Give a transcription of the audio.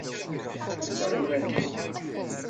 Jebdeɣ iman-iw.